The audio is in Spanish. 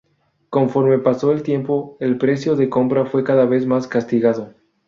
Conforme pasó el tiempo, el precio de compra fue cada vez más castigado.